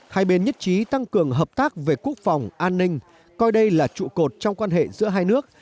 hai bên nhất trí tăng cường hợp tác về quốc phòng an ninh coi đây là trụ cột trong quan hệ giữa hai nước